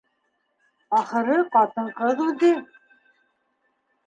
Ахыры, ҡатын-ҡыҙ үҙе.